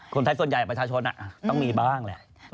คนไทยส่วนใหญ่ประชาชนต้องมีบ้างแหละ